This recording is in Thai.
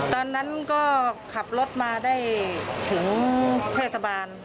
ตอนนั้นก็ขับรถมาได้ถึงเทศบาล